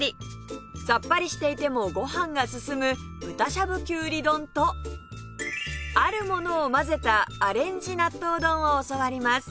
さっぱりしていてもご飯が進む豚しゃぶきゅうり丼とあるものを混ぜたアレンジ納豆丼を教わります